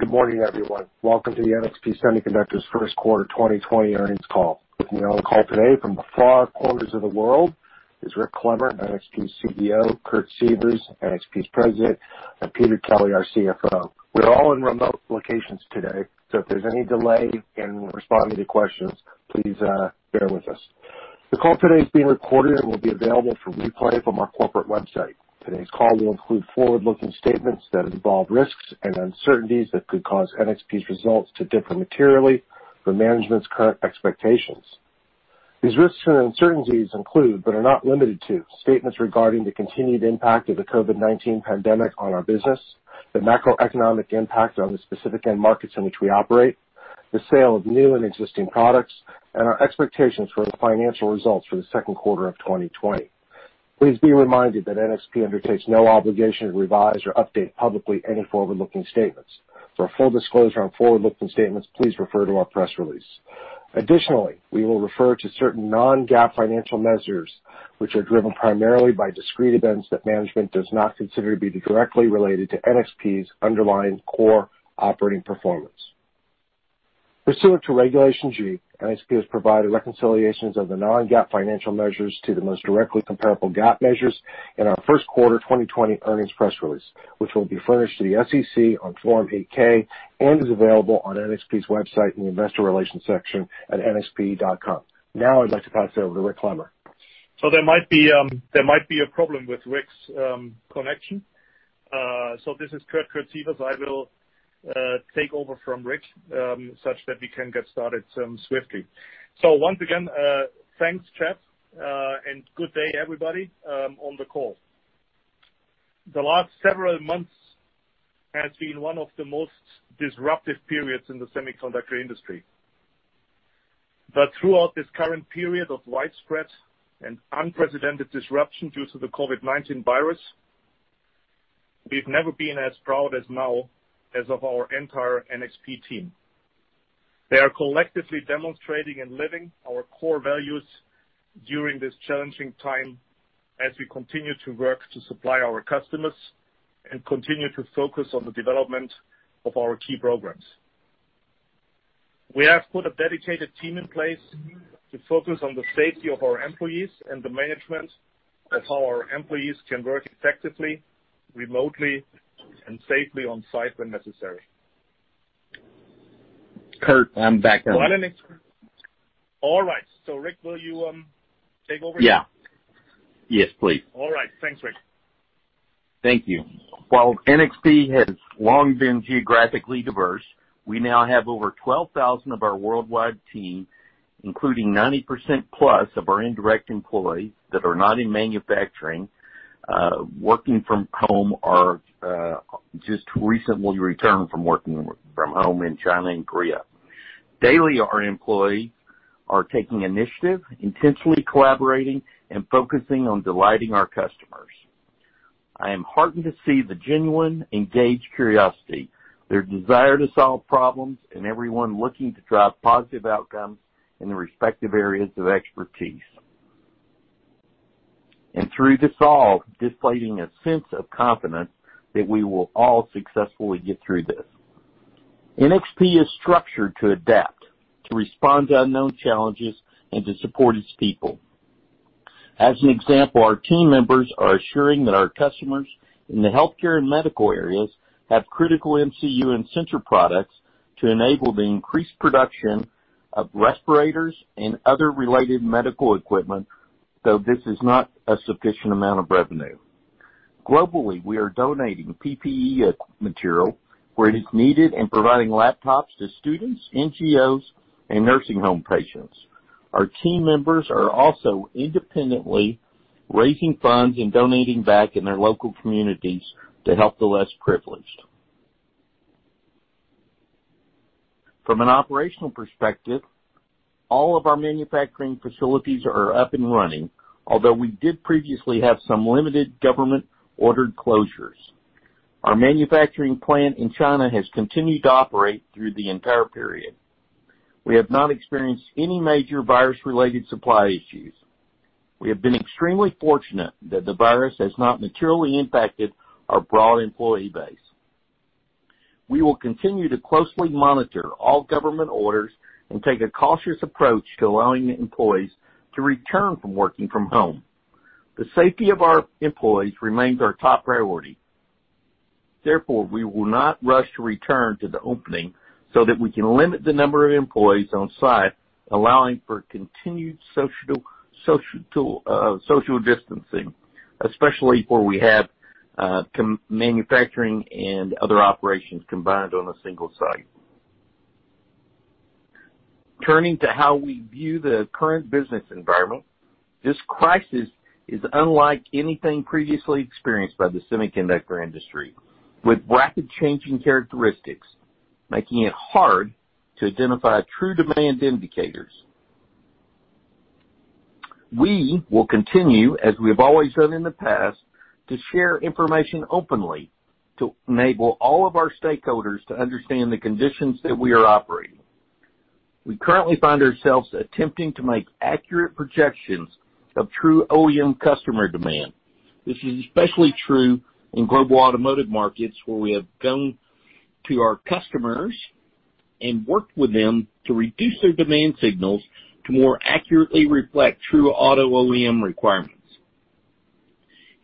Good morning, everyone. Welcome to the NXP Semiconductors first quarter 2020 earnings call. With me on the call today from the far corners of the world is Rick Clemmer, NXP's CEO, Kurt Sievers, NXP's President, and Peter Kelly, our CFO. We're all in remote locations today, so if there's any delay in responding to questions, please bear with us. The call today is being recorded and will be available for replay from our corporate website. Today's call will include forward-looking statements that involve risks and uncertainties that could cause NXP's results to differ materially from management's current expectations. These risks and uncertainties include, but are not limited to, statements regarding the continued impact of the COVID-19 pandemic on our business, the macroeconomic impact on the specific end markets in which we operate, the sale of new and existing products, and our expectations for the financial results for the second quarter of 2020. Please be reminded that NXP undertakes no obligation to revise or update publicly any forward-looking statements. For a full disclosure on forward-looking statements, please refer to our press release. Additionally, we will refer to certain non-GAAP financial measures, which are driven primarily by discrete events that management does not consider to be directly related to NXP's underlying core operating performance. Pursuant to Regulation G, NXP has provided reconciliations of the non-GAAP financial measures to the most directly comparable GAAP measures in our first quarter 2020 earnings press release, which will be furnished to the SEC on Form 8-K and is available on NXP's website in the investor relations section at nxp.com. Now I'd like to pass it over to Rick Clemmer. There might be a problem with Rick's connection. This is Kurt Sievers. I will take over from Rick such that we can get started swiftly. Once again, thanks, Jeff, and good day, everybody on the call. The last several months has been one of the most disruptive periods in the semiconductor industry. Throughout this current period of widespread and unprecedented disruption due to the COVID-19 virus, we've never been as proud as now as of our entire NXP team. They are collectively demonstrating and living our core values during this challenging time as we continue to work to supply our customers and continue to focus on the development of our key programs. We have put a dedicated team in place to focus on the safety of our employees and the management as our employees can work effectively, remotely, and safely on-site when necessary. Kurt, I'm back now. All right. Rick, will you take over? Yeah. Yes, please. All right. Thanks, Rick. Thank you. While NXP has long been geographically diverse, we now have over 12,000 of our worldwide team, including 90% plus of our indirect employees that are not in manufacturing, working from home or just recently returned from working from home in China and Korea. Daily, our employees are taking initiative, intentionally collaborating, and focusing on delighting our customers. I am heartened to see the genuine engaged curiosity, their desire to solve problems, and everyone looking to drive positive outcomes in their respective areas of expertise. Through this all, displaying a sense of confidence that we will all successfully get through this. NXP is structured to adapt, to respond to unknown challenges, and to support its people. As an example, our team members are assuring that our customers in the healthcare and medical areas have critical MCU and sensor products to enable the increased production of respirators and other related medical equipment, though this is not a sufficient amount of revenue. Globally, we are donating PPE material where it is needed and providing laptops to students, NGOs, and nursing home patients. Our team members are also independently raising funds and donating back in their local communities to help the less privileged. From an operational perspective, all of our manufacturing facilities are up and running, although we did previously have some limited government-ordered closures. Our manufacturing plant in China has continued to operate through the entire period. We have not experienced any major virus-related supply issues. We have been extremely fortunate that the virus has not materially impacted our broad employee base. We will continue to closely monitor all government orders and take a cautious approach to allowing employees to return from working from home. The safety of our employees remains our top priority. Therefore, we will not rush to return to the opening so that we can limit the number of employees on-site, allowing for continued social distancing, especially where we have manufacturing and other operations combined on a single site. Turning to how we view the current business environment, this crisis is unlike anything previously experienced by the semiconductor industry, with rapid changing characteristics, making it hard to identify true demand indicators. We will continue, as we have always done in the past, to share information openly to enable all of our stakeholders to understand the conditions that we are operating We currently find ourselves attempting to make accurate projections of true OEM customer demand. This is especially true in global automotive markets where we have gone to our customers and worked with them to reduce their demand signals to more accurately reflect true auto OEM requirements.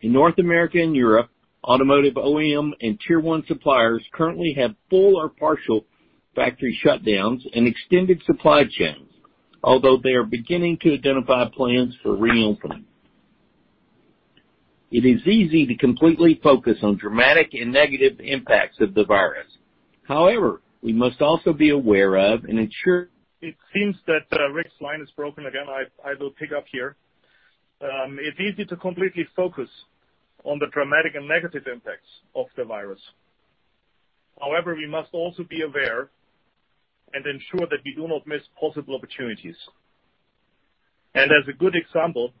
In North America and Europe, automotive OEM and tier one suppliers currently have full or partial factory shutdowns and extended supply chains, although they are beginning to identify plans for reopening. It is easy to completely focus on dramatic and negative impacts of the virus. However, we must also be aware of and ensure. It seems that Rick's line is broken again. I will pick up here. It's easy to completely focus on the dramatic and negative impacts of the virus. We must also be aware and ensure that we do not miss possible opportunities. As a good example,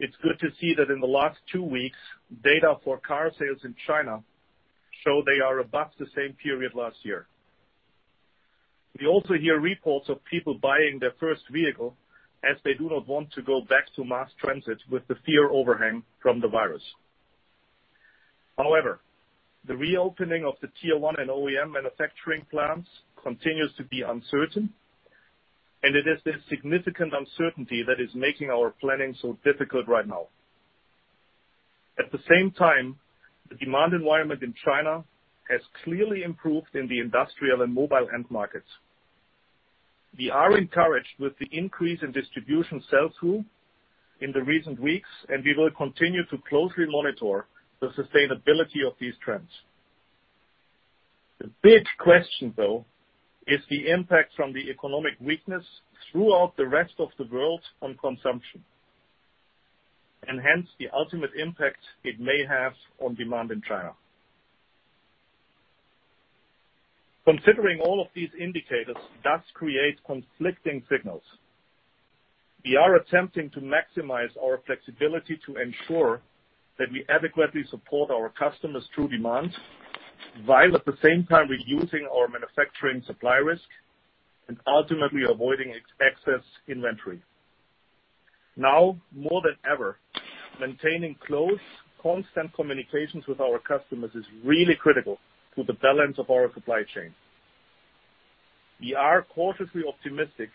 it's good to see that in the last two weeks, data for car sales in China show they are above the same period last year. We also hear reports of people buying their first vehicle as they do not want to go back to mass transit with the fear overhang from the virus. The reopening of the tier 1 and OEM manufacturing plants continues to be uncertain, and it is this significant uncertainty that is making our planning so difficult right now. At the same time, the demand environment in China has clearly improved in the industrial and mobile end markets. We are encouraged with the increase in distribution sell-through in the recent weeks, and we will continue to closely monitor the sustainability of these trends. The big question, though, is the impact from the economic weakness throughout the rest of the world on consumption, and hence, the ultimate impact it may have on demand in China. Considering all of these indicators does create conflicting signals. We are attempting to maximize our flexibility to ensure that we adequately support our customers' true demands, while at the same time reducing our manufacturing supply risk and ultimately avoiding excess inventory. Now more than ever, maintaining close, constant communications with our customers is really critical to the balance of our supply chain. We are cautiously optimistic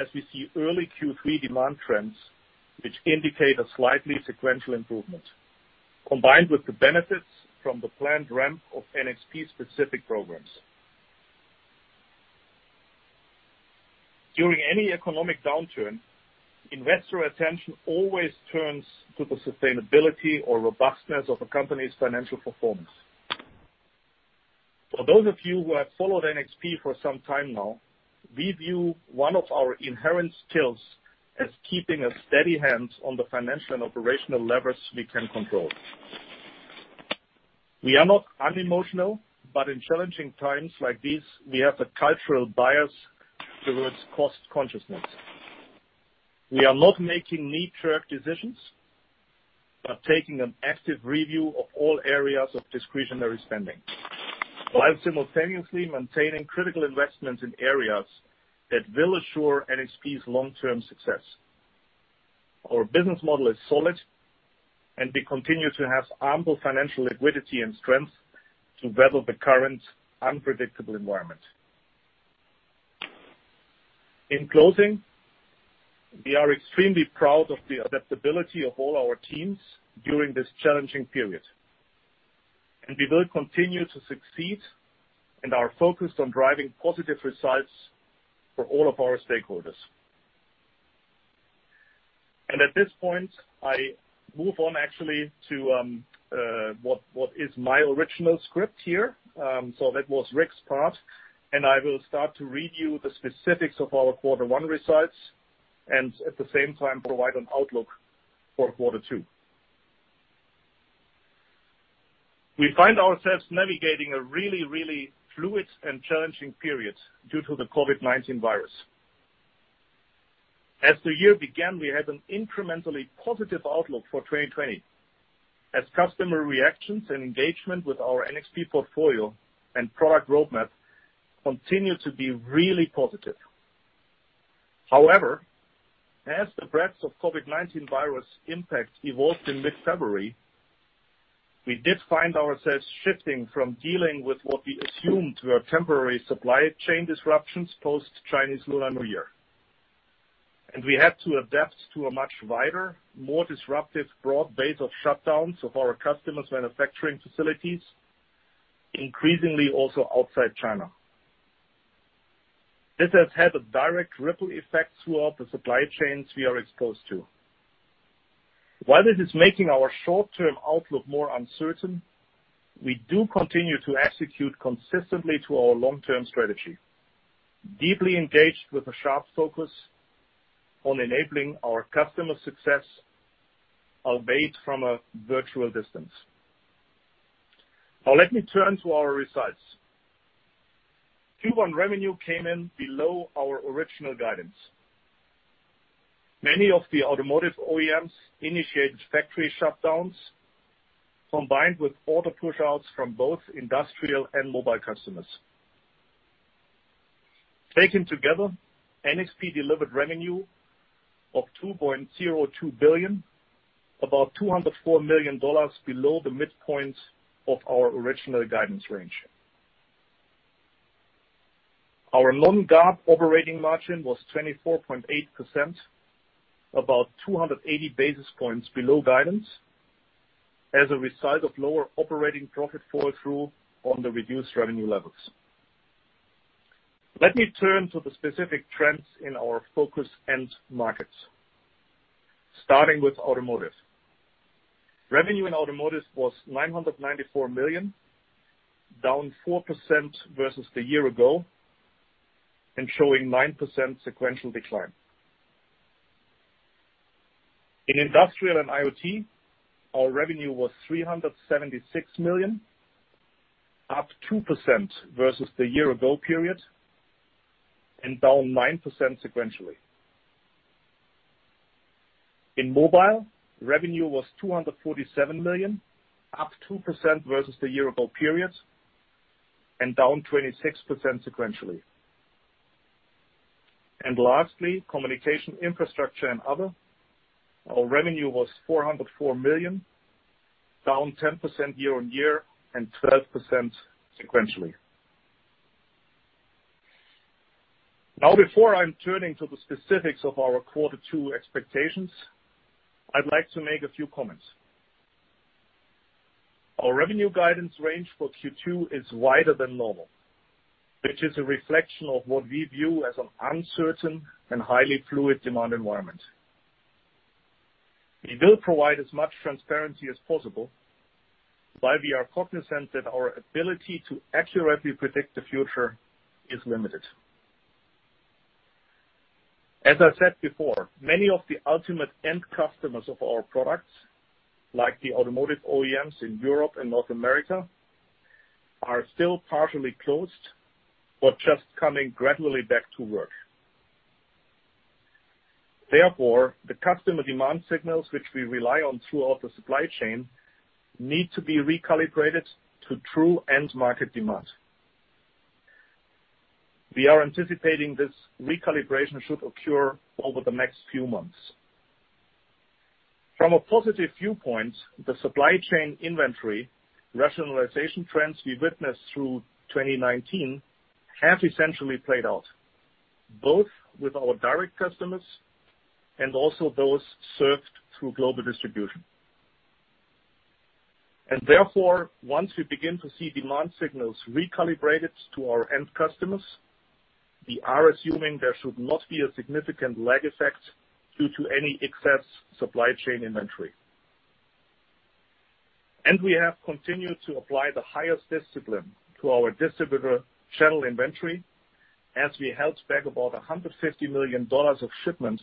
as we see early Q3 demand trends, which indicate a slight sequential improvement, combined with the benefits from the planned ramp of NXP-specific programs. During any economic downturn, investor attention always turns to the sustainability or robustness of a company's financial performance. For those of you who have followed NXP for some time now, we view one of our inherent skills as keeping a steady hand on the financial and operational levers we can control. We are not unemotional, but in challenging times like these, we have a cultural bias towards cost-consciousness. We are not making knee-jerk decisions but taking an active review of all areas of discretionary spending, while simultaneously maintaining critical investments in areas that will assure NXP's long-term success. Our business model is solid, and we continue to have ample financial liquidity and strength to weather the current unpredictable environment. In closing, we are extremely proud of the adaptability of all our teams during this challenging period. We will continue to succeed and are focused on driving positive results for all of our stakeholders. At this point, I move on actually to what is my original script here. That was Rick's part, and I will start to review the specifics of our quarter one results, and at the same time, provide an outlook for quarter two. We find ourselves navigating a really, really fluid and challenging period due to the COVID-19 virus. As the year began, we had an incrementally positive outlook for 2020, as customer reactions and engagement with our NXP portfolio and product roadmap continued to be really positive. As the breadth of COVID-19 virus impact evolved in mid-February, we did find ourselves shifting from dealing with what we assumed were temporary supply chain disruptions post-Chinese Lunar New Year. We had to adapt to a much wider, more disruptive, broad base of shutdowns of our customers' manufacturing facilities, increasingly also outside China. This has had a direct ripple effect throughout the supply chains we are exposed to. While this is making our short-term outlook more uncertain, we do continue to execute consistently to our long-term strategy, deeply engaged with a sharp focus on enabling our customers' success, albeit from a virtual distance. Now let me turn to our results. Q1 revenue came in below our original guidance. Many of the automotive OEMs initiated factory shutdowns, combined with order pushouts from both industrial and mobile customers. Taken together, NXP delivered revenue of $2.02 billion, about $204 million below the midpoint of our original guidance range. Our non-GAAP operating margin was 24.8%, about 280 basis points below guidance, as a result of lower operating profit fall-through on the reduced revenue levels. Let me turn to the specific trends in our focus end markets, starting with automotive. Revenue in automotive was $994 million, down 4% versus the year-ago, showing 9% sequential decline. In industrial and IoT, our revenue was $376 million, up 2% versus the year-ago period, down 9% sequentially. In mobile, revenue was $247 million, up 2% versus the year-ago period, down 26% sequentially. Lastly, communication infrastructure and other, our revenue was $404 million, down 10% year-on-year and 12% sequentially. Before I'm turning to the specifics of our quarter two expectations, I'd like to make a few comments. Our revenue guidance range for Q2 is wider than normal, which is a reflection of what we view as an uncertain and highly fluid demand environment. We will provide as much transparency as possible, but we are cognizant that our ability to accurately predict the future is limited. As I said before, many of the ultimate end customers of our products, like the automotive OEMs in Europe and North America, are still partially closed or just coming gradually back to work. Therefore, the customer demand signals which we rely on throughout the supply chain need to be recalibrated to true end market demand. We are anticipating this recalibration should occur over the next few months. From a positive viewpoint, the supply chain inventory rationalization trends we witnessed through 2019 have essentially played out, both with our direct customers and also those served through global distribution. Therefore, once we begin to see demand signals recalibrated to our end customers, we are assuming there should not be a significant lag effect due to any excess supply chain inventory. We have continued to apply the highest discipline to our distributor channel inventory as we held back about $150 million of shipments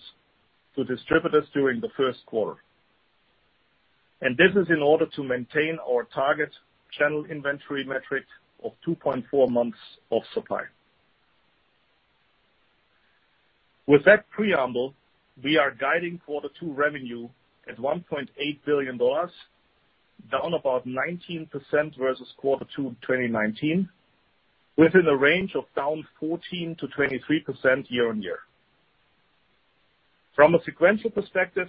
to distributors during the first quarter. This is in order to maintain our target channel inventory metric of 2.4 months of supply. With that preamble, we are guiding quarter two revenue at $1.8 billion, down about 19% versus quarter two 2019, within a range of down 14%-23% year-on-year. From a sequential perspective,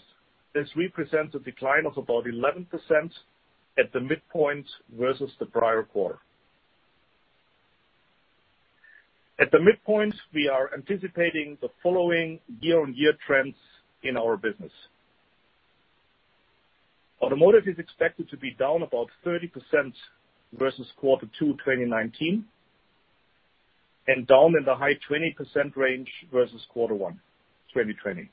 this represents a decline of about 11% at the midpoint versus the prior quarter. At the midpoint, we are anticipating the following year-on-year trends in our business. Automotive is expected to be down about 30% versus quarter two 2019, and down in the high 20% range versus quarter one 2020.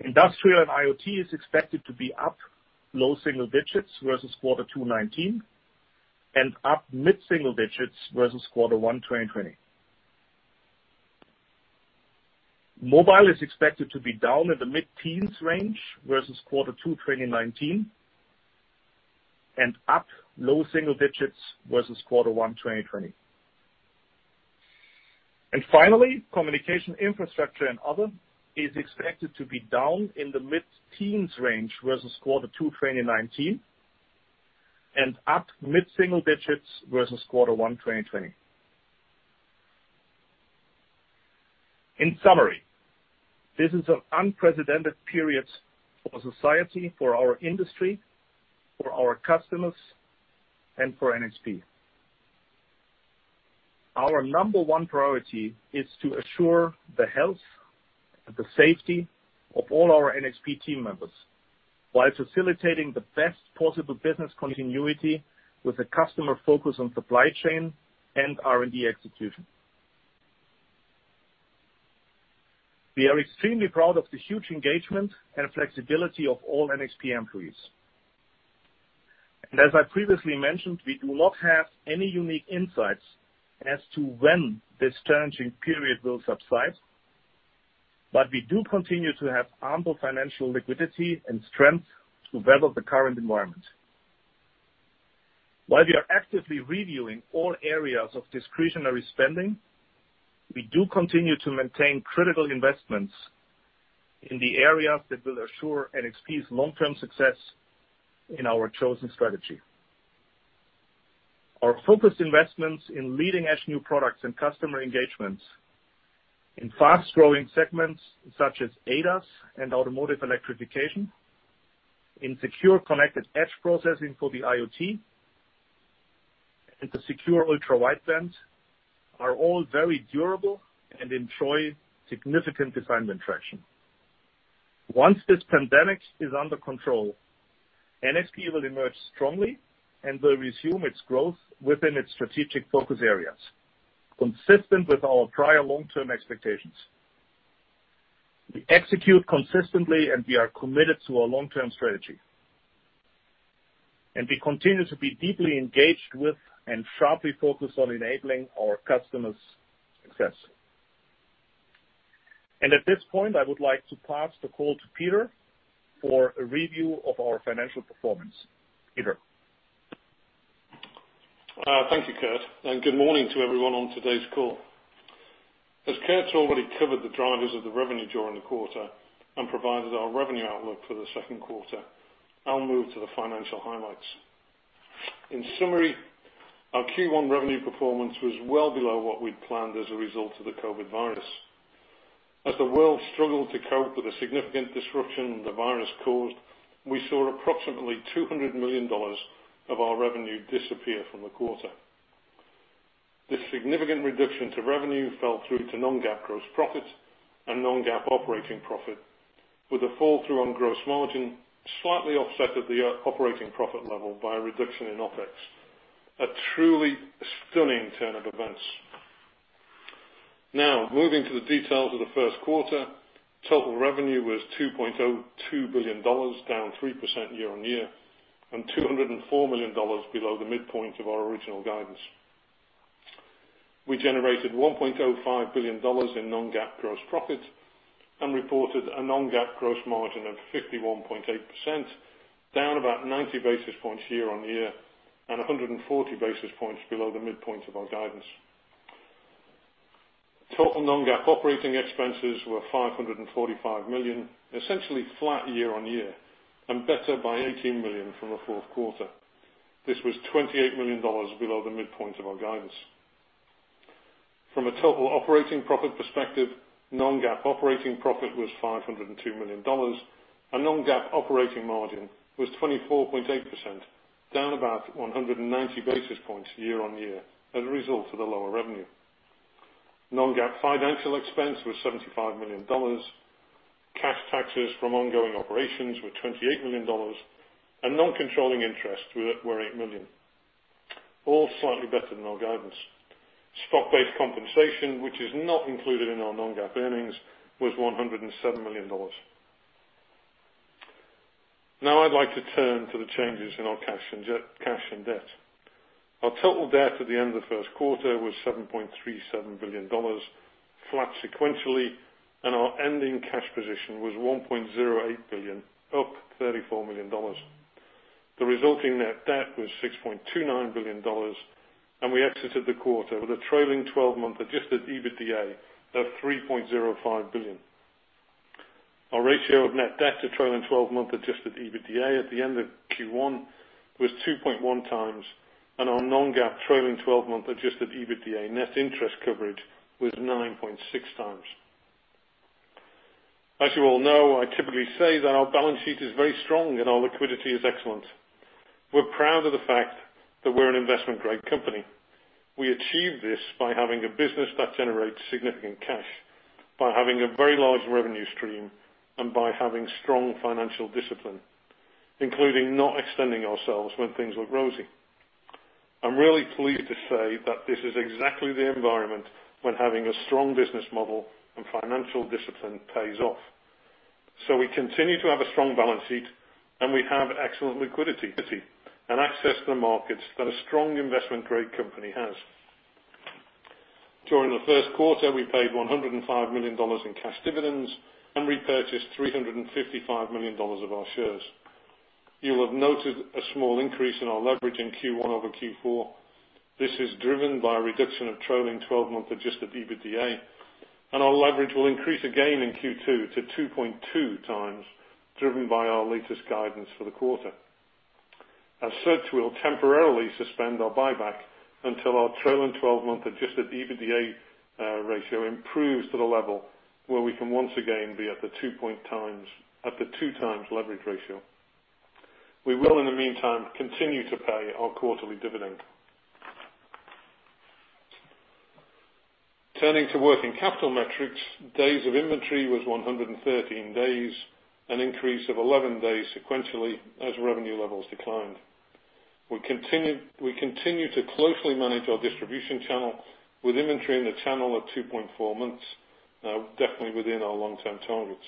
Industrial and IoT is expected to be up low single digits versus quarter two 2019, and up mid-single digits versus quarter one 2020. Mobile is expected to be down in the mid-teens range versus quarter two 2019, and up low single digits versus quarter one 2020. Finally, communication infrastructure and other is expected to be down in the mid-teens range versus quarter two 2019, and up mid-single digits versus quarter one 2020. In summary, this is an unprecedented period for society, for our industry, for our customers, and for NXP. Our number one priority is to assure the health and the safety of all our NXP team members while facilitating the best possible business continuity with a customer focus on supply chain and R&D execution. We are extremely proud of the huge engagement and flexibility of all NXP employees. As I previously mentioned, we do not have any unique insights as to when this challenging period will subside, but we do continue to have ample financial liquidity and strength to weather the current environment. While we are actively reviewing all areas of discretionary spending, we do continue to maintain critical investments in the areas that will assure NXP's long-term success in our chosen strategy. Our focused investments in leading-edge new products and customer engagements in fast-growing segments such as ADAS and automotive electrification, in secure connected edge processing for the IoT, and the secure ultra-wideband, are all very durable and enjoy significant design traction. Once this pandemic is under control, NXP will emerge strongly and will resume its growth within its strategic focus areas, consistent with our prior long-term expectations. We execute consistently, we are committed to our long-term strategy. We continue to be deeply engaged with and sharply focused on enabling our customers' success. At this point, I would like to pass the call to Peter for a review of our financial performance. Peter. Thank you, Kurt, and good morning to everyone on today's call. As Kurt already covered the drivers of the revenue during the quarter and provided our revenue outlook for the second quarter, I'll move to the financial highlights. In summary, our Q1 revenue performance was well below what we'd planned as a result of the COVID-19. As the world struggled to cope with the significant disruption the virus caused, we saw approximately $200 million of our revenue disappear from the quarter. This significant reduction to revenue fell through to non-GAAP gross profit and non-GAAP operating profit, with a fall through on gross margin, slightly offset at the operating profit level by a reduction in OpEx. A truly stunning turn of events. Moving to the details of the first quarter, total revenue was $2.02 billion, down 3% year-on-year, and $204 million below the midpoint of our original guidance. We generated $1.05 billion in non-GAAP gross profit and reported a non-GAAP gross margin of 51.8%, down about 90 basis points year-on-year, and 140 basis points below the midpoint of our guidance. Total non-GAAP operating expenses were $545 million, essentially flat year-on-year, and better by $18 million from the fourth quarter. This was $28 million below the midpoint of our guidance. From a total operating profit perspective, non-GAAP operating profit was $502 million, and non-GAAP operating margin was 24.8%, down about 190 basis points year-on-year as a result of the lower revenue. Non-GAAP financial expense was $75 million. Cash taxes from ongoing operations were $28 million. Non-controlling interest were $8 million, all slightly better than our guidance. Stock-based compensation, which is not included in our non-GAAP earnings, was $107 million. I'd like to turn to the changes in our cash and debt. Our total debt at the end of the first quarter was $7.37 billion, flat sequentially. Our ending cash position was $1.08 billion, up $34 million. The resulting net debt was $6.29 billion. We exited the quarter with a trailing 12-month adjusted EBITDA of $3.05 billion. Our ratio of net debt to trailing 12-month adjusted EBITDA at the end of Q1 was 2.1 times. Our non-GAAP trailing 12-month adjusted EBITDA net interest coverage was 9.6 times. As you all know, I typically say that our balance sheet is very strong and our liquidity is excellent. We're proud of the fact that we're an investment-grade company. We achieve this by having a business that generates significant cash, by having a very large revenue stream, and by having strong financial discipline, including not extending ourselves when things look rosy. I'm really pleased to say that this is exactly the environment when having a strong business model and financial discipline pays off. We continue to have a strong balance sheet, and we have excellent liquidity and access to the markets that a strong investment-grade company has. During the first quarter, we paid $105 million in cash dividends and repurchased $355 million of our shares. You will have noted a small increase in our leverage in Q1 over Q4. This is driven by a reduction of trailing 12-month adjusted EBITDA. Our leverage will increase again in Q2 to 2.2x, driven by our latest guidance for the quarter. As such, we'll temporarily suspend our buyback until our trailing 12-month adjusted EBITDA ratio improves to the level where we can once again be at the two times leverage ratio. We will, in the meantime, continue to pay our quarterly dividend. Turning to working capital metrics, days of inventory was 113 days, an increase of 11 days sequentially as revenue levels declined. We continue to closely manage our distribution channel with inventory in the channel of 2.4 months, definitely within our long-term targets.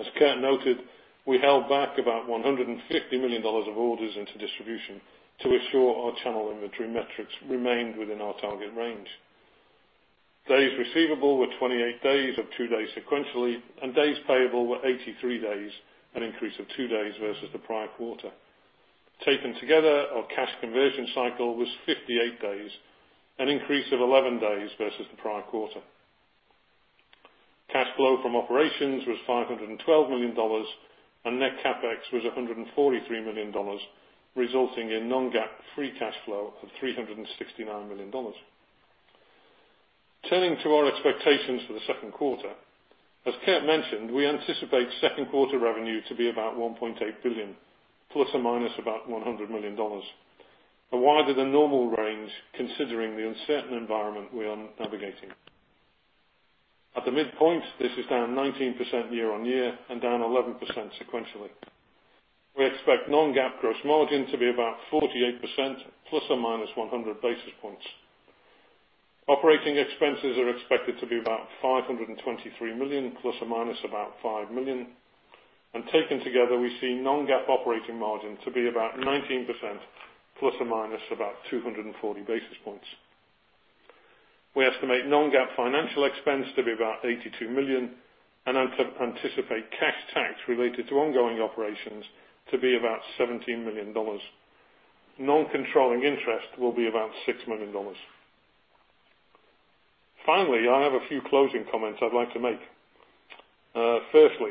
As Kurt noted, we held back about $150 million of orders into distribution to ensure our channel inventory metrics remained within our target range. Days receivable were 28 days, up two days sequentially, and days payable were 83 days, an increase of two days versus the prior quarter. Taken together, our cash conversion cycle was 58 days, an increase of 11 days versus the prior quarter. Cash flow from operations was $512 million, and net CapEx was $143 million, resulting in non-GAAP free cash flow of $369 million. Turning to our expectations for the second quarter. As Kurt mentioned, we anticipate second quarter revenue to be about $1.8 billion, ±$100 million, a wider than normal range, considering the uncertain environment we are navigating. At the midpoint, this is down 19% year-on-year and down 11% sequentially. We expect non-GAAP gross margin to be about 48%, plus or minus 100 basis points. Operating expenses are expected to be about $523 million, plus or minus about $5 million. Taken together, we see non-GAAP operating margin to be about 19%, plus or minus about 240 basis points. We estimate non-GAAP financial expense to be about $82 million, and anticipate cash tax related to ongoing operations to be about $17 million. Non-controlling interest will be about $6 million. Finally, I have a few closing comments I'd like to make. Firstly,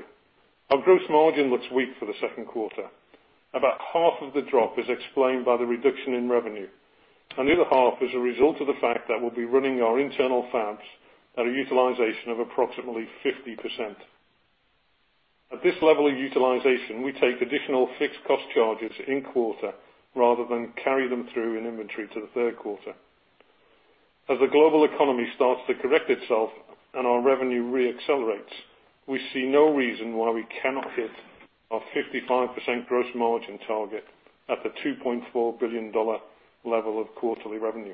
our gross margin looks weak for the second quarter. About half of the drop is explained by the reduction in revenue, and the other half is a result of the fact that we'll be running our internal fabs at a utilization of approximately 50%. At this level of utilization, we take additional fixed cost charges in quarter rather than carry them through in inventory to the third quarter. As the global economy starts to correct itself and our revenue re-accelerates, we see no reason why we cannot hit our 55% gross margin target at the $2.4 billion level of quarterly revenue.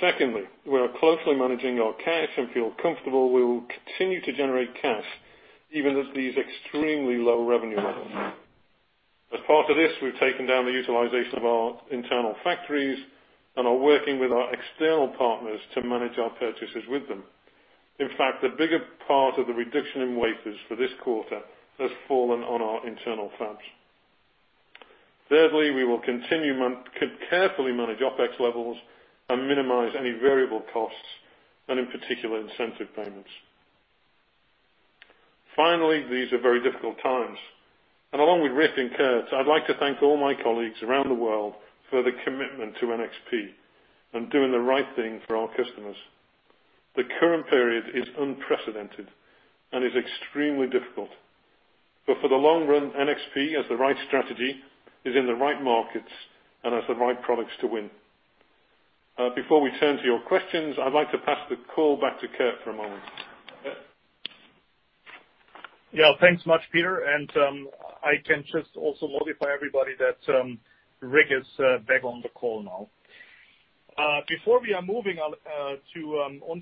Secondly, we are closely managing our cash and feel comfortable we will continue to generate cash even at these extremely low revenue levels. As part of this, we've taken down the utilization of our internal factories and are working with our external partners to manage our purchases with them. The bigger part of the reduction in wafers for this quarter has fallen on our internal fabs. Thirdly, we will carefully manage OpEx levels and minimize any variable costs and in particular, incentive payments. Finally, these are very difficult times, and along with Rick and Kurt, I'd like to thank all my colleagues around the world for their commitment to NXP and doing the right thing for our customers. The current period is unprecedented and is extremely difficult. For the long run, NXP has the right strategy, is in the right markets, and has the right products to win. Before we turn to your questions, I'd like to pass the call back to Kurt for a moment. Kurt. Yeah, thanks much, Peter. I can just also notify everybody that Rick is back on the call now. Before we are moving on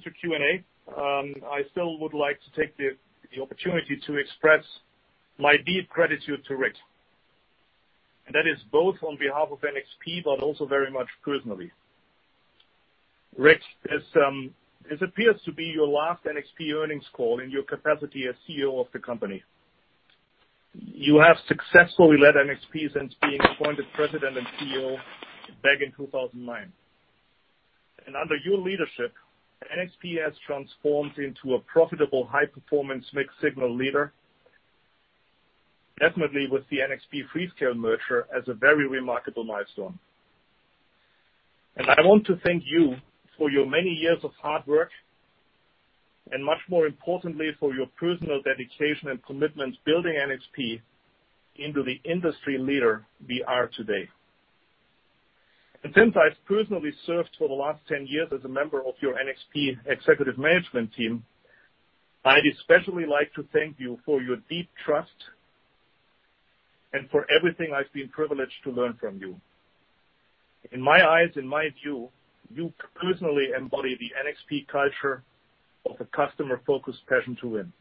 to Q&A, I still would like to take the opportunity to express my deep gratitude to Rick. That is both on behalf of NXP, but also very much personally. Rick, this appears to be your last NXP earnings call in your capacity as CEO of the company. You have successfully led NXP since being appointed President and CEO back in 2009. Under your leadership, NXP has transformed into a profitable, high-performance mixed signal leader, definitely with the NXP Freescale merger as a very remarkable milestone. I want to thank you for your many years of hard work and much more importantly, for your personal dedication and commitment to building NXP into the industry leader we are today. Since I've personally served for the last 10 years as a member of your NXP executive management team, I'd especially like to thank you for your deep trust and for everything I've been privileged to learn from you. In my eyes, in my view, you personally embody the NXP culture of a customer-focused passion to win.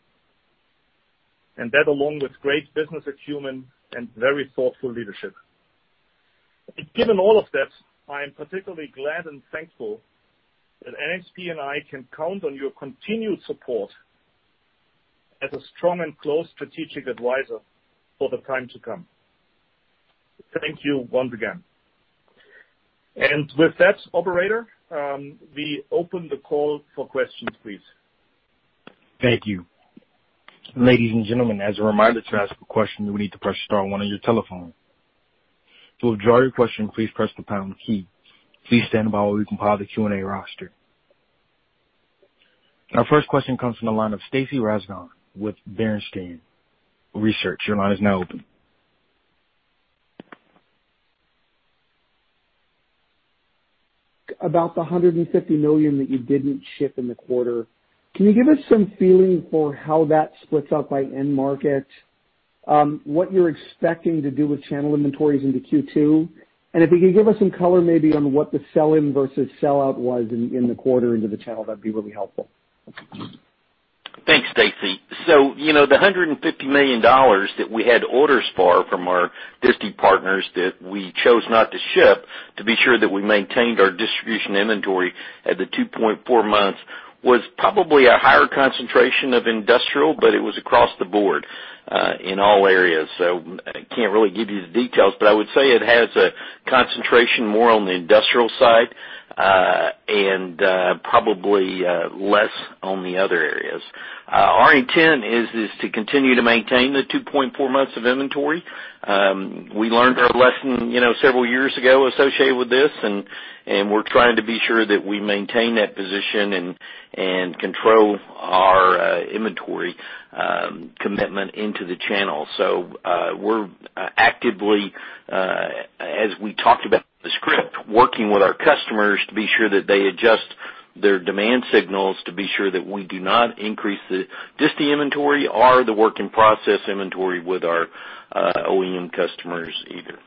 That, along with great business acumen and very thoughtful leadership. Given all of that, I am particularly glad and thankful that NXP and I can count on your continued support as a strong and close strategic advisor for the time to come. Thank you once again. With that, operator, we open the call for questions, please. Thank you. Ladies and gentlemen, as a reminder, to ask a question, you will need to press star one on your telephone. To withdraw your question, please press the pound key. Please stand by while we compile the Q&A roster. Our first question comes from the line of Stacy Rasgon with Bernstein Research. Your line is now open. About the $150 million that you didn't ship in the quarter, can you give us some feeling for how that splits up by end market, what you're expecting to do with channel inventories into Q2? If you could give us some color maybe on what the sell-in versus sellout was in the quarter into the channel, that'd be really helpful. Thanks, Stacy. The $150 million that we had orders for from our disti partners that we chose not to ship to be sure that we maintained our distribution inventory at the 2.4 months was probably a higher concentration of industrial, but it was across the board, in all areas. I can't really give you the details, but I would say it has a concentration more on the industrial side, and probably less on the other areas. Our intent is to continue to maintain the 2.4 months of inventory. We learned our lesson several years ago associated with this, and we're trying to be sure that we maintain that position and control our inventory commitment into the channel. We're actively, as we talked about in the script, working with our customers to be sure that they adjust their demand signals to be sure that we do not increase the disti inventory or the work in process inventory with our OEM customers either.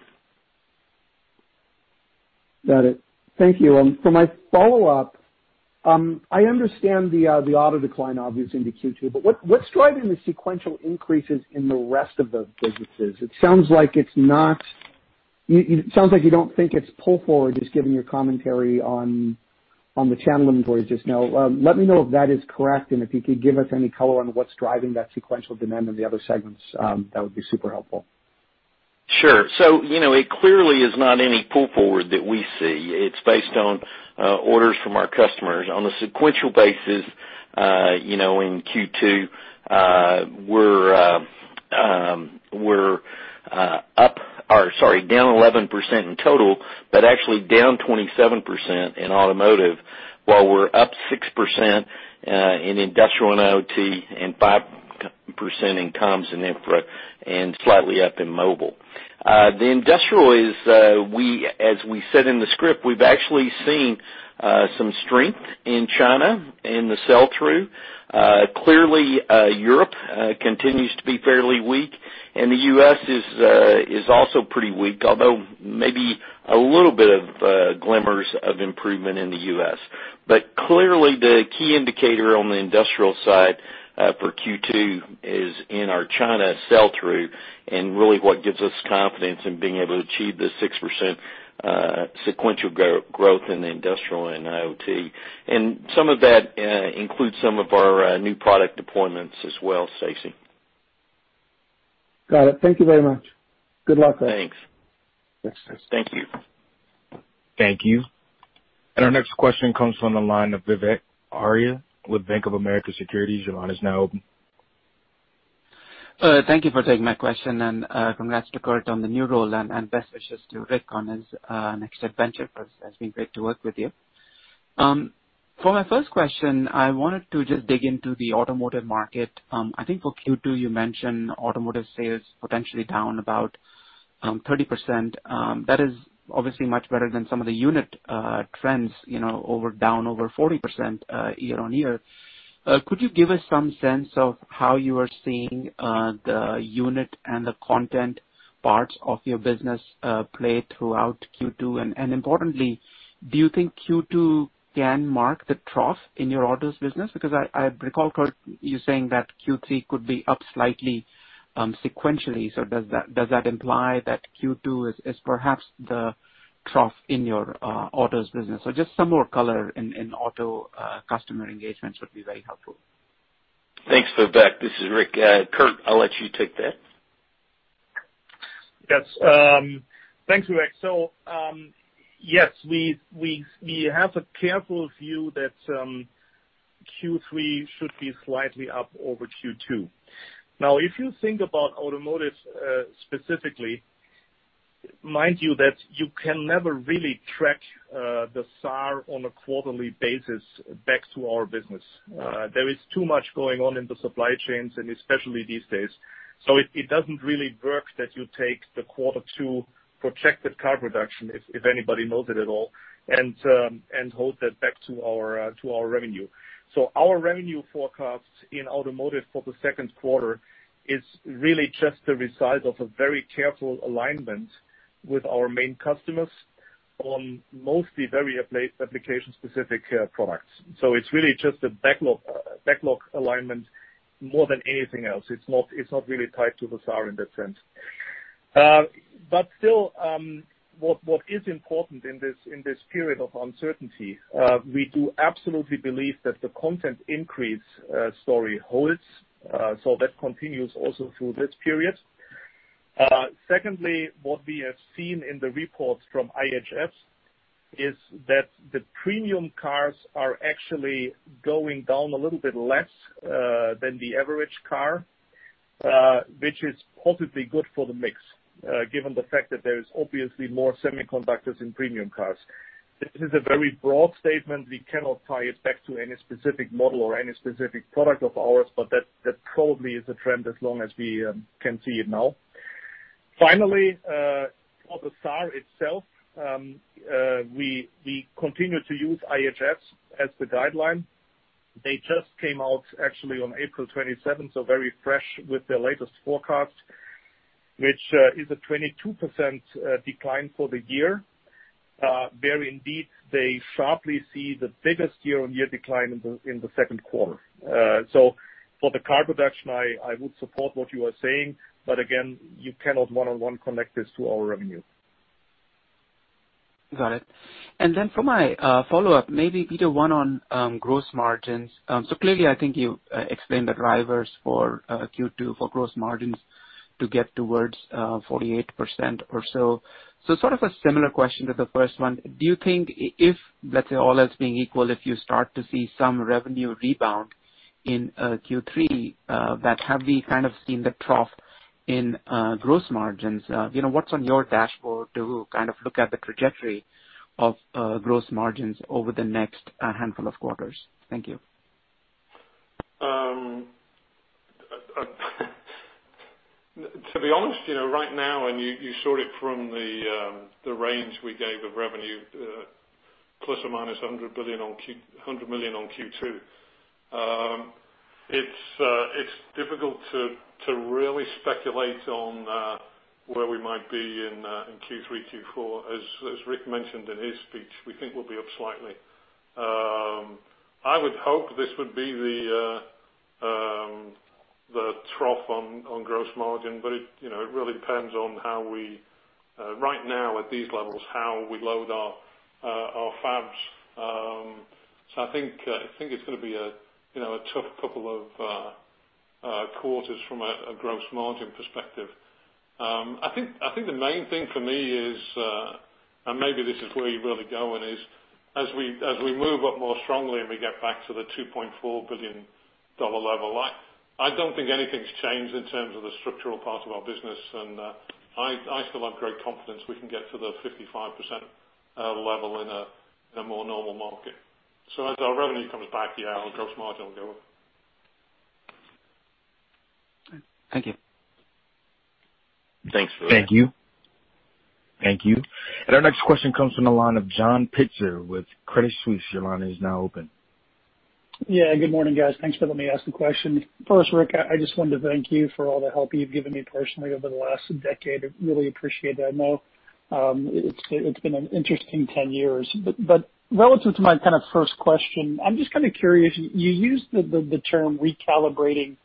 Got it. Thank you. For my follow-up, I understand the auto decline obviously into Q2, what's driving the sequential increases in the rest of the businesses? It sounds like you don't think it's pull forward, just given your commentary on the channel inventory just now. Let me know if that is correct, and if you could give us any color on what's driving that sequential demand in the other segments, that would be super helpful. Sure. It clearly is not any pull forward that we see. It's based on orders from our customers. On a sequential basis, in Q2, we're down 11% in total, but actually down 27% in automotive, while we're up 6% in industrial and IoT, and 5% in comms and infra, and slightly up in mobile. The industrial is, as we said in the script, we've actually seen some strength in China in the sell-through. Clearly, Europe continues to be fairly weak, and the U.S. is also pretty weak, although maybe a little bit of glimmers of improvement in the U.S. Clearly the key indicator on the industrial side for Q2 is in our China sell-through, and really what gives us confidence in being able to achieve the 6% sequential growth in the industrial and IoT. Some of that includes some of our new product deployments as well, Stacy. Got it. Thank you very much. Good luck. Thanks. Thanks. Thank you. Thank you. Our next question comes from the line of Vivek Arya with Bank of America Securities. Your line is now open. Thank you for taking my question, and congrats to Kurt on the new role, and best wishes to Rick on his next adventure. It's been great to work with you. For my first question, I wanted to just dig into the automotive market. I think for Q2 you mentioned automotive sales potentially down about 30%. That is obviously much better than some of the unit trends, down over 40% year-over-year. Could you give us some sense of how you are seeing the unit and the content parts of your business play throughout Q2? Importantly, do you think Q2 can mark the trough in your autos business? I recall, Kurt, you saying that Q3 could be up slightly sequentially. Does that imply that Q2 is perhaps the trough in your autos business? Just some more color in auto customer engagements would be very helpful. Thanks, Vivek. This is Rick. Kurt, I'll let you take that. Yes. Thanks, Vivek. Yes, we have a careful view that Q3 should be slightly up over Q2. Now, if you think about automotive specifically, mind you that you can never really track the SAR on a quarterly basis back to our business. There is too much going on in the supply chains, and especially these days. It doesn't really work that you take the quarter two projected car production, if anybody knows it at all, and hold that back to our revenue. Our revenue forecast in automotive for the second quarter is really just the result of a very careful alignment with our main customers on mostly very application-specific products. It's really just a backlog alignment more than anything else. It's not really tied to the SAR in that sense. Still, what is important in this period of uncertainty, we do absolutely believe that the content increase story holds. That continues also through this period. Secondly, what we have seen in the reports from IHS is that the premium cars are actually going down a little bit less than the average car, which is positively good for the mix, given the fact that there is obviously more semiconductors in premium cars. This is a very broad statement. We cannot tie it back to any specific model or any specific product of ours, but that probably is a trend as long as we can see it now. For the SAR itself, we continue to use IHS as the guideline. They just came out actually on April 27th, so very fresh with their latest forecast. Which is a 22% decline for the year. Very indeed, they sharply see the biggest year-on-year decline in the second quarter. For the car production, I would support what you are saying, but again, you cannot one-on-one connect this to our revenue. Got it. For my follow-up, maybe, Peter, one on gross margins. Clearly I think you explained the drivers for Q2 for gross margins to get towards 48% or so. Sort of a similar question to the first one. Do you think if, let's say all else being equal, if you start to see some revenue rebound in Q3, that have we kind of seen the trough in gross margins? What's on your dashboard to kind of look at the trajectory of gross margins over the next handful of quarters? Thank you. To be honest, right now, and you saw it from the range we gave of revenue, ±$100 million on Q2. It's difficult to really speculate on where we might be in Q3, Q4. As Rick mentioned in his speech, we think we'll be up slightly. I would hope this would be the trough on gross margin. It really depends on how we, right now at these levels, how we load our fabs. I think it's going to be a tough couple of quarters from a gross margin perspective. I think the main thing for me is, and maybe this is where you're really going, is as we move up more strongly and we get back to the $2.4 billion level, I don't think anything's changed in terms of the structural part of our business. I still have great confidence we can get to the 55% level in a more normal market. As our revenue comes back, yeah, our gross margin will go up. Thank you. Thanks for that. Thank you. Our next question comes from the line of John Pitzer with Credit Suisse. Your line is now open. Good morning, guys. Thanks for letting me ask the question. First, Rick, I just wanted to thank you for all the help you've given me personally over the last decade. I really appreciate that. I know it's been an interesting 10 years. Relative to my kind of first question, I'm just kind of curious. You used the term recalibrating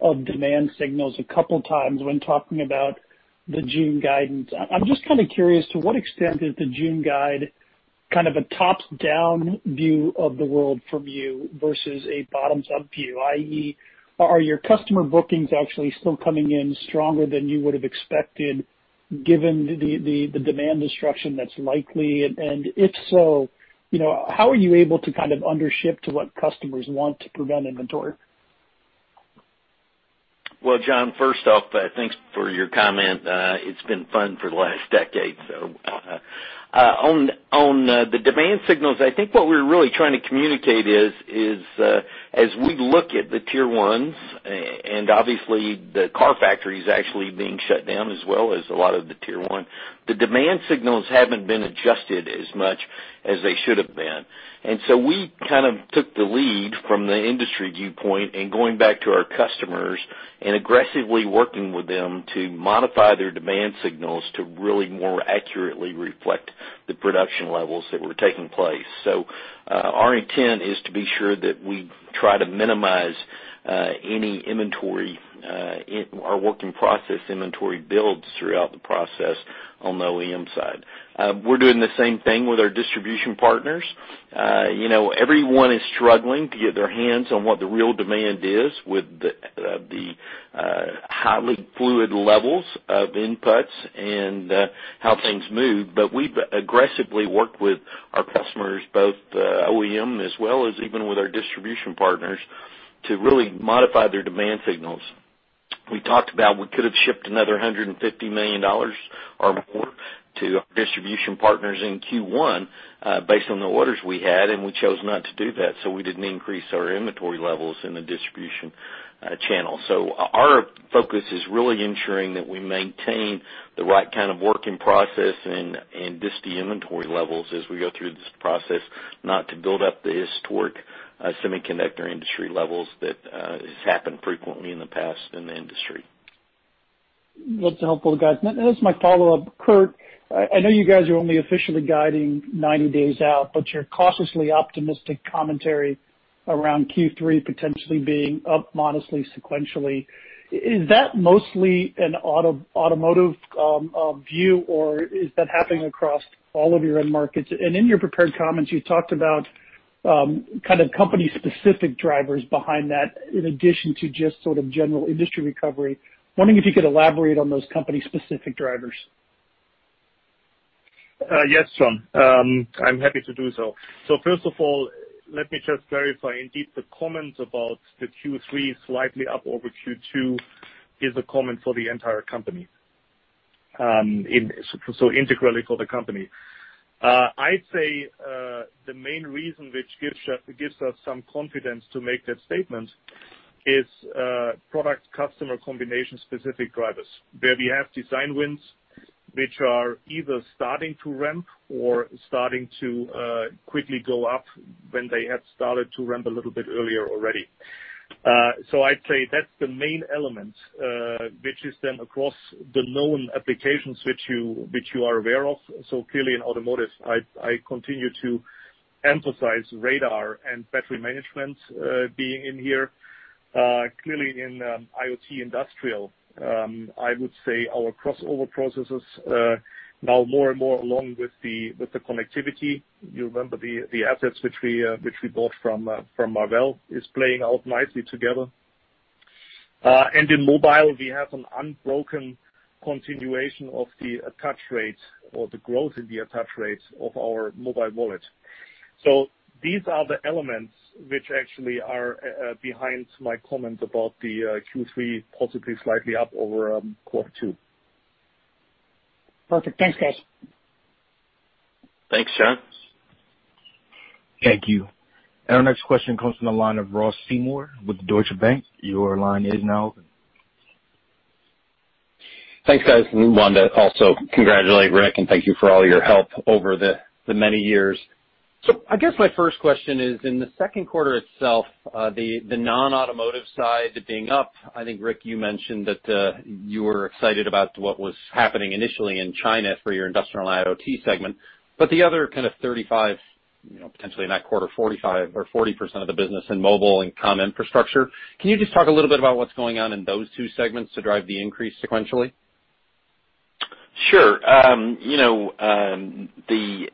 of demand signals a couple times when talking about the June guidance. I'm just kind of curious to what extent is the June guide kind of a top-down view of the world from you versus a bottoms-up view, i.e., are your customer bookings actually still coming in stronger than you would have expected given the demand destruction that's likely? If so, how are you able to kind of undership to what customers want to prevent inventory? Well, John, first off, thanks for your comment. It's been fun for the last decade or so. On the demand signals, I think what we're really trying to communicate is as we look at the tier ones, and obviously the car factory's actually being shut down as well as a lot of the tier one, the demand signals haven't been adjusted as much as they should have been. We kind of took the lead from the industry viewpoint and going back to our customers and aggressively working with them to modify their demand signals to really more accurately reflect the production levels that were taking place. Our intent is to be sure that we try to minimize any inventory, our work in process inventory builds throughout the process on the OEM side. We're doing the same thing with our distribution partners. Everyone is struggling to get their hands on what the real demand is with the highly fluid levels of inputs and how things move. We've aggressively worked with our customers, both the OEM as well as even with our distribution partners, to really modify their demand signals. We talked about we could have shipped another $150 million or more to our distribution partners in Q1 based on the orders we had, and we chose not to do that. We didn't increase our inventory levels in the distribution channel. Our focus is really ensuring that we maintain the right kind of work in process and disti inventory levels as we go through this process, not to build up the historic semiconductor industry levels that has happened frequently in the past in the industry. That's helpful, guys. This is my follow-up. Kurt, I know you guys are only officially guiding 90 days out, but your cautiously optimistic commentary around Q3 potentially being up modestly sequentially. Is that mostly an automotive view, or is that happening across all of your end markets? In your prepared comments, you talked about kind of company specific drivers behind that in addition to just sort of general industry recovery. Wondering if you could elaborate on those company specific drivers. Yes, John, I'm happy to do so. First of all, let me just verify. Indeed, the comment about the Q3 slightly up over Q2 is a comment for the entire company, integrally for the company. I'd say the main reason which gives us some confidence to make that statement is product customer combination specific drivers, where we have design wins. Which are either starting to ramp or starting to quickly go up when they had started to ramp a little bit earlier already. I'd say that's the main element, which is then across the known applications which you are aware of. Clearly in automotive, I continue to emphasize radar and battery management being in here. Clearly in IoT industrial, I would say our crossover processors now more and more along with the connectivity. You remember the assets which we bought from Marvell is playing out nicely together. In mobile, we have an unbroken continuation of the attach rate or the growth in the attach rate of our mobile wallet. These are the elements which actually are behind my comment about the Q3 possibly slightly up over quarter two. Perfect. Thanks, guys. Thanks, John. Thank you. Our next question comes from the line of Ross Seymore with Deutsche Bank. Your line is now open. Thanks, guys. Want to also congratulate Rick, and thank you for all your help over the many years. I guess my first question is, in the second quarter itself, the non-automotive side being up, I think Rick, you mentioned that you were excited about what was happening initially in China for your industrial IoT segment, but the other kind of 35%, potentially in that quarter, 45% or 40% of the business in mobile and comm infrastructure. Can you just talk a little bit about what's going on in those two segments to drive the increase sequentially? Sure.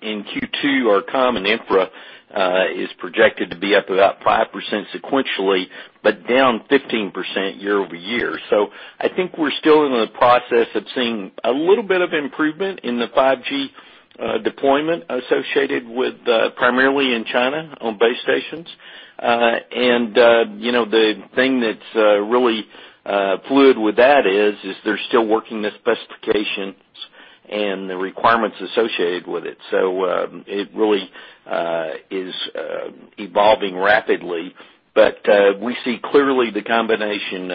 In Q2, our Comm & Infra is projected to be up about 5% sequentially, but down 15% year-over-year. I think we're still in the process of seeing a little bit of improvement in the 5G deployment associated with primarily in China on base stations. The thing that's really fluid with that is, they're still working the specifications and the requirements associated with it. It really is evolving rapidly. We see clearly the combination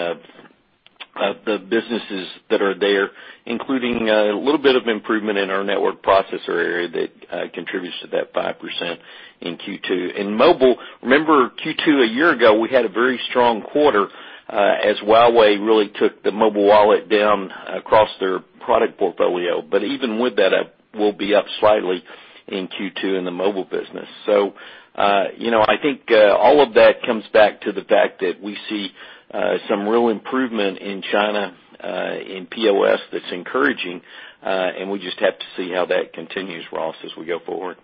of the businesses that are there, including a little bit of improvement in our network processor area that contributes to that 5% in Q2. In mobile, remember Q2 a year ago, we had a very strong quarter, as Huawei really took the mobile wallet down across their product portfolio. Even with that up, we'll be up slightly in Q2 in the mobile business. I think all of that comes back to the fact that we see some real improvement in China in POS that's encouraging, and we just have to see how that continues, Ross, as we go forward.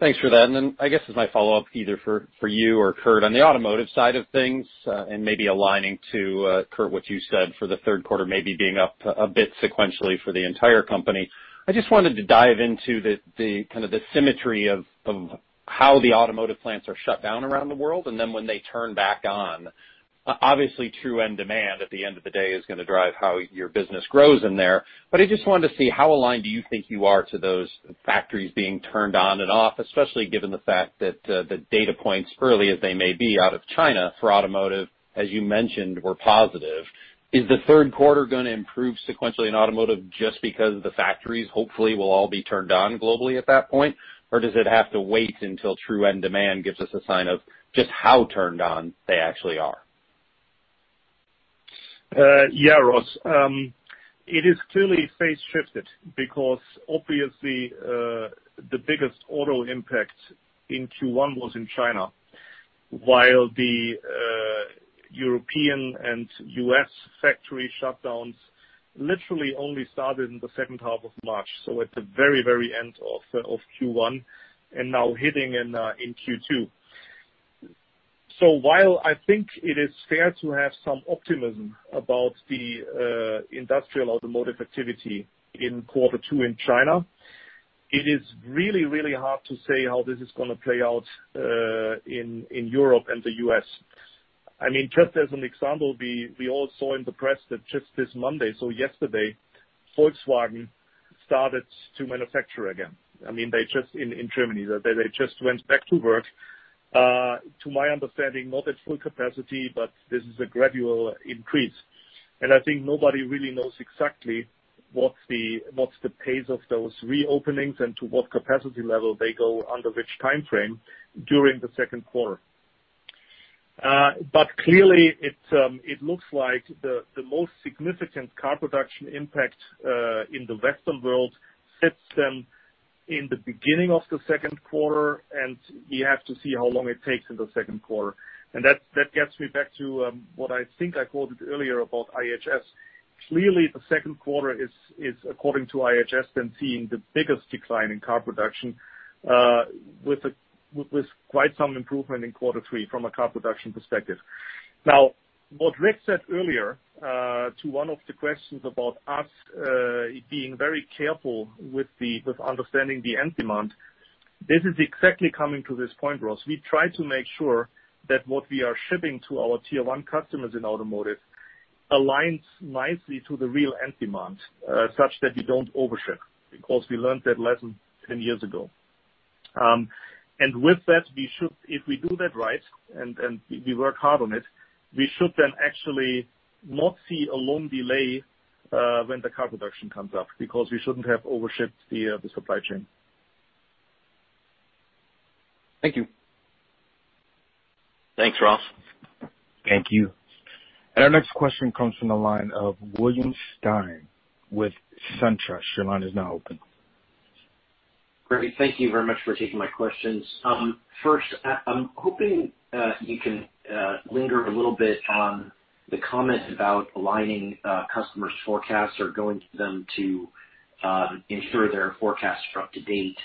Thanks for that. Then I guess as my follow-up, either for you or Kurt, on the automotive side of things, and maybe aligning to, Kurt, what you said for the third quarter, maybe being up a bit sequentially for the entire company. I just wanted to dive into the symmetry of how the automotive plants are shut down around the world, and then when they turn back on. Obviously, true end demand at the end of the day is going to drive how your business grows in there. I just wanted to see how aligned do you think you are to those factories being turned on and off, especially given the fact that the data points, early as they may be out of China for automotive, as you mentioned, were positive. Is the third quarter going to improve sequentially in automotive just because the factories hopefully will all be turned on globally at that point? Does it have to wait until true end demand gives us a sign of just how turned on they actually are? Yeah, Ross. It is clearly phase shifted because obviously, the biggest auto impact in Q1 was in China, while the European and U.S. factory shutdowns literally only started in the second half of March. At the very, very end of Q1 and now hitting in Q2. While I think it is fair to have some optimism about the industrial automotive activity in quarter two in China, it is really, really hard to say how this is going to play out in Europe and the U.S. Just as an example, we all saw in the press that just this Monday, so yesterday, Volkswagen started to manufacture again in Germany. They just went back to work. To my understanding, not at full capacity, but this is a gradual increase. I think nobody really knows exactly what's the pace of those reopenings and to what capacity level they go under which timeframe during the second quarter. Clearly it looks like the most significant car production impact in the Western world hits them in the beginning of the second quarter, and we have to see how long it takes in the second quarter. That gets me back to what I think I quoted earlier about IHS. Clearly, the second quarter is, according to IHS, then seeing the biggest decline in car production, with quite some improvement in quarter three from a car production perspective. Now, what Rick said earlier, to one of the questions about us being very careful with understanding the end demand, this is exactly coming to this point, Ross. We try to make sure that what we are shipping to our tier 1 customers in automotive aligns nicely to the real end demand, such that we don't overship, because we learned that lesson 10 years ago. With that, if we do that right and we work hard on it, we should then actually not see a long delay when the car production comes up, because we shouldn't have over-shipped the supply chain. Thank you. Thanks, Ross. Thank you. Our next question comes from the line of William Stein with SunTrust. Your line is now open. Great. Thank you very much for taking my questions. First, I'm hoping you can linger a little bit on the comment about aligning customers' forecasts or going to them to ensure their forecasts are up to date.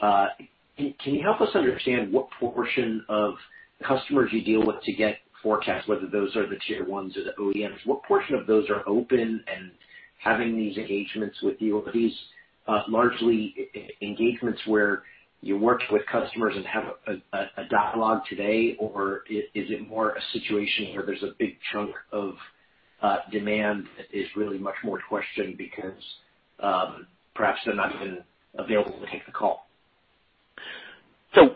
Can you help us understand what portion of the customers you deal with to get forecasts, whether those are the tier 1s or the OEMs? What portion of those are open and having these engagements with you? Are these largely engagements where you work with customers and have a dialogue today, or is it more a situation where there's a big chunk of demand is really much more questioned because perhaps they're not even available to take the call?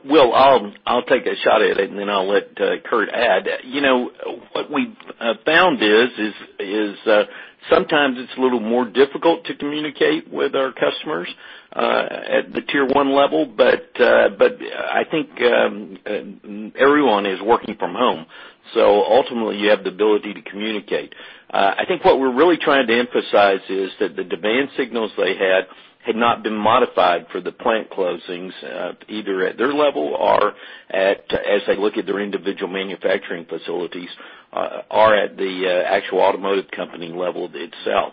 Will, I'll take a shot at it and then I'll let Kurt add. What we've found is, sometimes it's a little more difficult to communicate with our customers at the tier 1 level. I think everyone is working from home, so ultimately you have the ability to communicate. I think what we're really trying to emphasize is that the demand signals they had not been modified for the plant closings, either at their level or as they look at their individual manufacturing facilities, or at the actual automotive company level itself.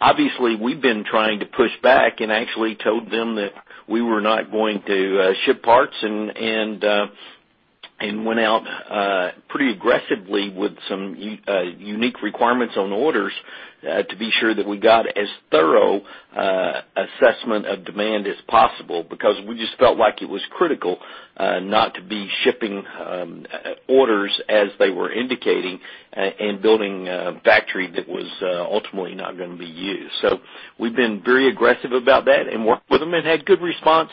Obviously, we've been trying to push back and actually told them that we were not going to ship parts and went out pretty aggressively with some unique requirements on orders to be sure that we got as thorough assessment of demand as possible. Because we just felt like it was critical not to be shipping orders as they were indicating and building a factory that was ultimately not going to be used. We've been very aggressive about that and worked with them and had good response.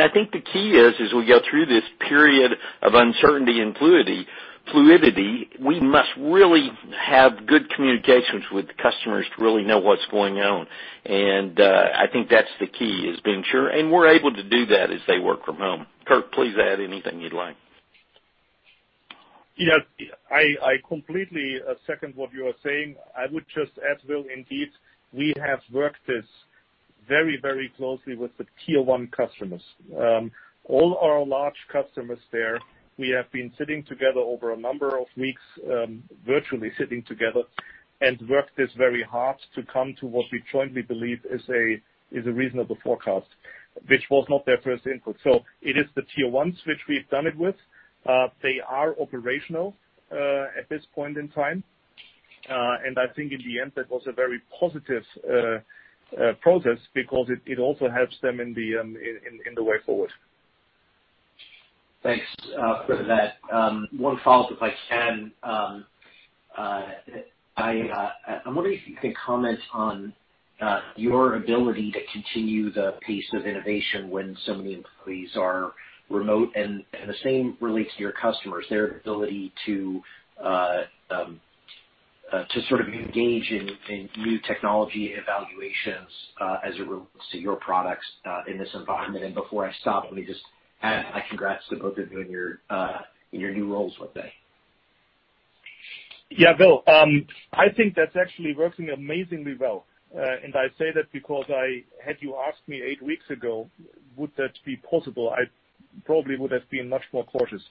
I think the key is, as we go through this period of uncertainty and fluidity, we must really have good communications with the customers to really know what's going on. I think that's the key, is being sure. We're able to do that as they work from home. Kurt, please add anything you'd like. Yeah. I completely second what you are saying. I would just add, Will, indeed, we have worked this very closely with the tier 1 customers. All our large customers there, we have been sitting together over a number of weeks, virtually sitting together, and worked this very hard to come to what we jointly believe is a reasonable forecast, which was not their first input. It is the tier 1s which we've done it with. They are operational at this point in time. I think in the end, that was a very positive process because it also helps them in the way forward. Thanks for that. One follow-up, if I can. I'm wondering if you can comment on your ability to continue the pace of innovation when so many employees are remote and the same relates to your customers, their ability to sort of engage in new technology evaluations as it relates to your products in this environment? Before I stop, let me just add my congrats to both of you in your new roles with that. Yeah, Will. I think that's actually working amazingly well. I say that because had you asked me eight weeks ago, would that be possible? I probably would have been much more cautious.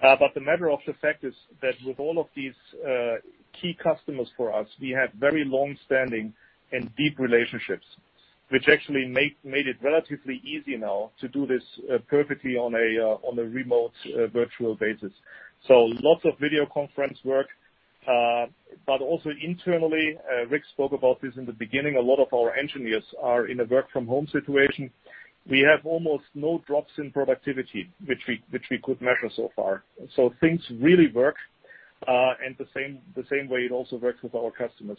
The matter of the fact is that with all of these key customers for us, we had very long-standing and deep relationships, which actually made it relatively easy now to do this perfectly on a remote virtual basis. Lots of video conference work. Also internally, Rick spoke about this in the beginning. A lot of our engineers are in a work from home situation. We have almost no drops in productivity, which we could measure so far. Things really work, and the same way it also works with our customers.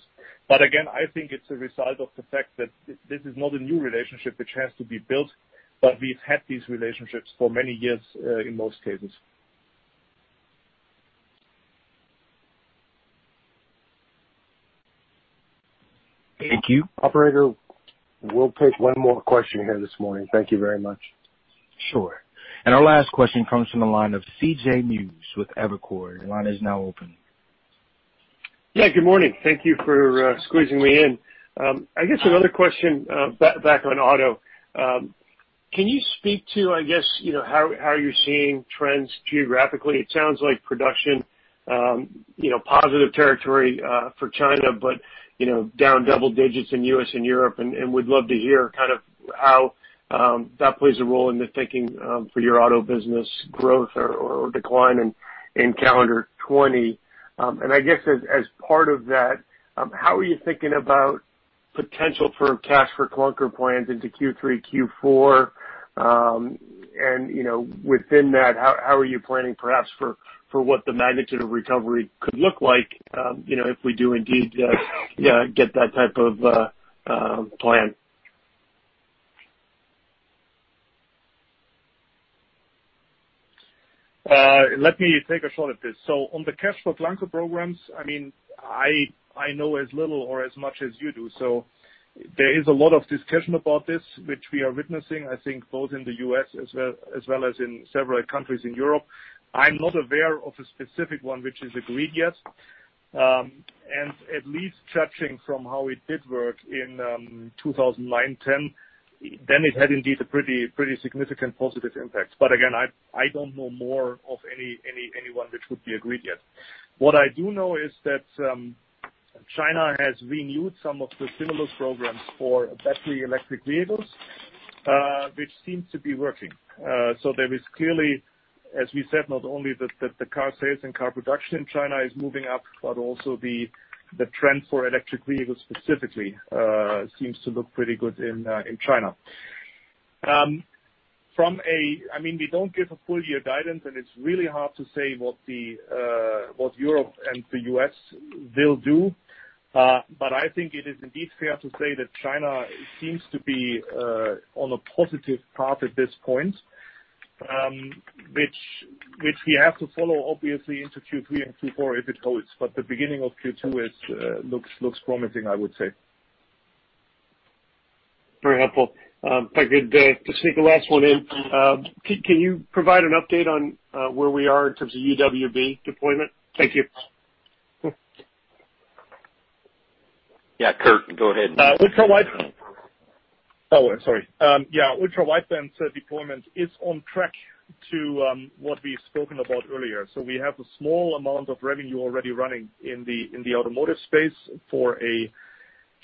Again, I think it's a result of the fact that this is not a new relationship which has to be built, but we've had these relationships for many years in most cases. Thank you. Operator, we'll take one more question here this morning. Thank you very much. Sure. Our last question comes from the line of C.J. Muse with Evercore. Your line is now open. Good morning. Thank you for squeezing me in. I guess another question back on auto. Can you speak to how you're seeing trends geographically? It sounds like production positive territory for China, but down double digits in U.S. and Europe, and would love to hear how that plays a role in the thinking for your auto business growth or decline in calendar 2020. I guess as part of that, how are you thinking about potential for Cash for Clunkers plans into Q3, Q4? Within that, how are you planning perhaps for what the magnitude of recovery could look like if we do indeed get that type of plan? Let me take a shot at this. On the Cash for Clunkers programs, I know as little or as much as you do. There is a lot of discussion about this, which we are witnessing, I think, both in the U.S. as well as in several countries in Europe. I'm not aware of a specific one which is agreed yet. At least judging from how it did work in 2009, 2010, then it had indeed a pretty significant positive impact. Again, I don't know more of any one which would be agreed yet. What I do know is that China has renewed some of the similar programs for battery electric vehicles, which seems to be working. There is clearly, as we said, not only that the car sales and car production in China is moving up, but also the trend for electric vehicles specifically, seems to look pretty good in China. We don't give a full year guidance, and it's really hard to say what Europe and the U.S. will do. I think it is indeed fair to say that China seems to be on a positive path at this point, which we have to follow obviously into Q3 and Q4 if it holds. The beginning of Q2 looks promising, I would say. Very helpful. If I could, to sneak a last one in. Can you provide an update on where we are in terms of UWB deployment? Thank you. Yeah. Kurt, go ahead. Ultra-wideband deployment is on track to what we've spoken about earlier. We have a small amount of revenue already running in the automotive space for a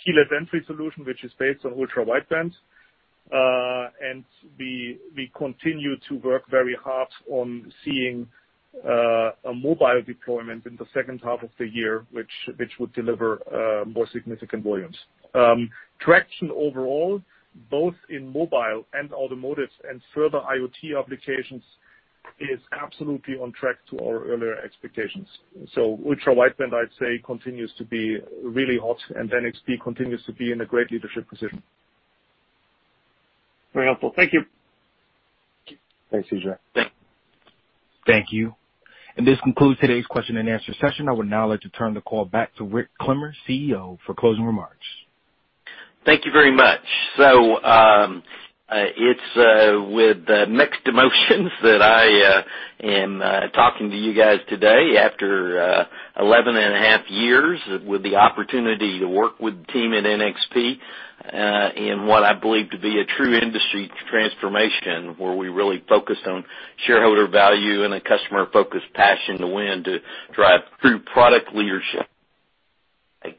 keyless entry solution, which is based on ultra-wideband. We continue to work very hard on seeing a mobile deployment in the second half of the year, which would deliver more significant volumes. Traction overall, both in mobile and automotive and further IoT applications, is absolutely on track to our earlier expectations. Ultra-wideband, I'd say, continues to be really hot, and NXP continues to be in a great leadership position. Very helpful. Thank you. Thanks, C.J. Thank you. This concludes today's question and answer session. I would now like to turn the call back to Rick Clemmer, CEO, for closing remarks. Thank you very much. It's with mixed emotions that I am talking to you guys today after 11 and a half years with the opportunity to work with the team at NXP, in what I believe to be a true industry transformation, where we really focused on shareholder value and a customer-focused passion to win to drive true product leadership.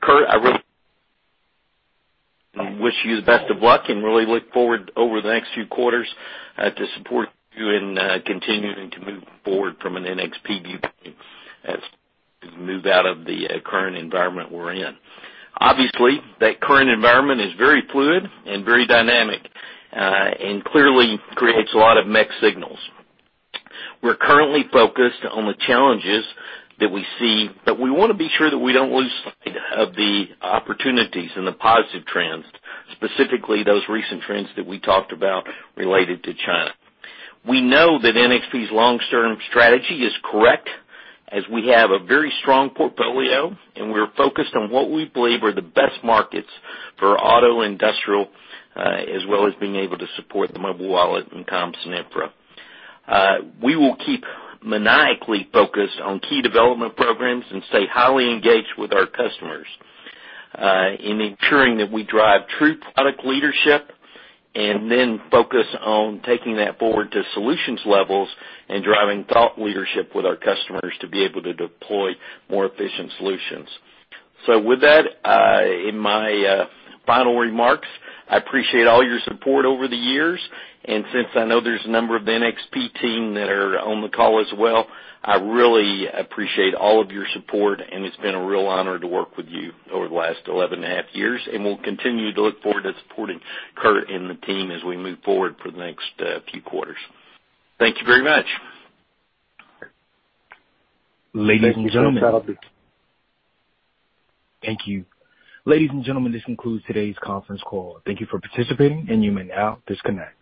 Kurt, I really wish you the best of luck and really look forward over the next few quarters, to support you in continuing to move forward from an NXP viewpoint as we move out of the current environment we're in. That current environment is very fluid and very dynamic, and clearly creates a lot of mixed signals. We're currently focused on the challenges that we see. We want to be sure that we don't lose sight of the opportunities and the positive trends, specifically those recent trends that we talked about related to China. We know that NXP's long-term strategy is correct as we have a very strong portfolio. We're focused on what we believe are the best markets for auto, industrial, as well as being able to support the mobile wallet and comms and infra. We will keep maniacally focused on key development programs and stay highly engaged with our customers, in ensuring that we drive true product leadership and then focus on taking that forward to solutions levels and driving thought leadership with our customers to be able to deploy more efficient solutions. With that, in my final remarks, I appreciate all your support over the years. Since I know there's a number of NXP team that are on the call as well, I really appreciate all of your support, and it's been a real honor to work with you over the last 11 and a half years. We'll continue to look forward to supporting Kurt and the team as we move forward for the next few quarters. Thank you very much. Ladies and gentlemen. Thank you. Thank you. Ladies and gentlemen, this concludes today's conference call. Thank you for participating, and you may now disconnect.